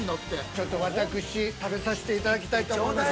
◆ちょっと私、食べさせていただきたいと思います。